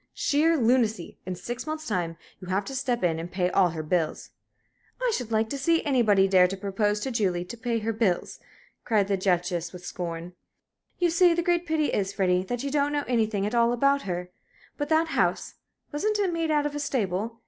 "Sheer lunacy! In six months time you'd have to step in and pay all her bills." "I should like to see anybody dare to propose to Julie to pay her bills!" cried the Duchess, with scorn. "You see, the great pity is, Freddie, that you don't know anything at all about her. But that house wasn't it made out of a stable?